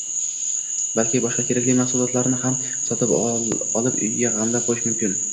balki boshqa kerakli mahsulotlarni ham sotib olib, uyga g‘amlab qo‘yish mumkin.